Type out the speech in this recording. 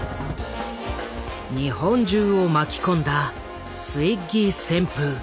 日本中を巻き込んだツイッギー旋風。